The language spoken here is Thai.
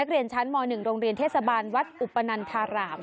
โรงเรียนเทศบาลวัดอุปนันธาราม